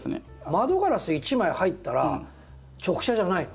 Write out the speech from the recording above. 窓ガラス一枚入ったら直射じゃないの？